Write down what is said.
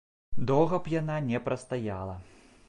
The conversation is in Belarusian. Доўга б яна не прастаяла.